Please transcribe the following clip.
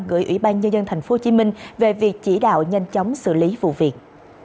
gửi ủy ban nhân dân tp hcm về việc chỉ đạo nhanh chóng xử lý vụ việc